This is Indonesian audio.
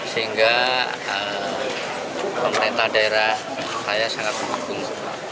sehingga pemerintah daerah saya sangat mendukung